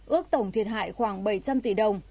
ước tổng thiệt hại khoảng bảy trăm linh tỷ đồng